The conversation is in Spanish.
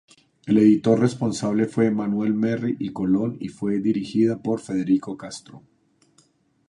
El editor responsable fue Manuel Merry y Colón y fue dirigida por Federico Castro.